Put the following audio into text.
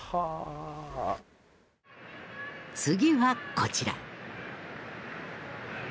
次はこちら。